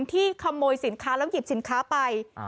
ที่ขโมยสินค้าแล้วหยิบสินค้าไป